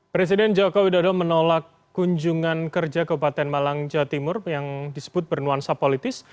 presiden jokowi dodo menolak kunjungan kerja kabupaten malang jawa timur yang disebut bernuansa politis